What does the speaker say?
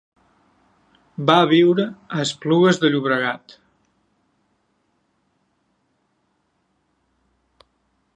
Va viure a Esplugues de Llobregat.